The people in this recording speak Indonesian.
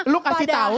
lu kasih tau